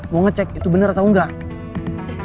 mau ngecek itu benar atau enggak